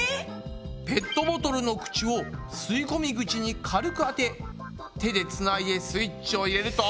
ペットボトルの口を吸い込み口に軽くあて手でつないでスイッチを入れると！